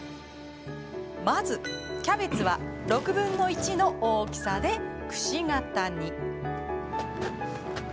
まずキャベツは６分の１の大きさで、くし形に。